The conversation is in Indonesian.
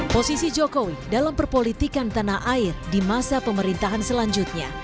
posisi jokowi dalam perpolitikan tanah air di masa pemerintahan selanjutnya